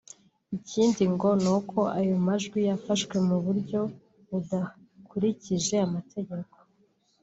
Ikindi ngo ni uko ayo majwi yafashwe mu buryo budakurikije amategeko